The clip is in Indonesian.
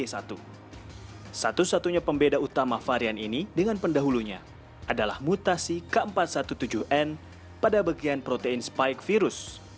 satu satunya pembeda utama varian ini dengan pendahulunya adalah mutasi k empat ratus tujuh belas n pada bagian protein spike virus